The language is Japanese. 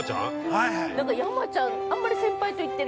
◆はい。